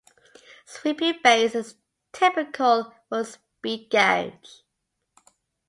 Sweeping bass is typical for speed garage.